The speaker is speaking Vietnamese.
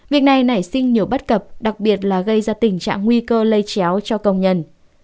việc này nảy sinh nhiều bất cập đặc biệt là gây ra tình trạng nguy cơ lây chéo cho công nhân